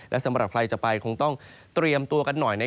และสำหรับใครจะไปคงต้องเตรียมตัวกันหน่อย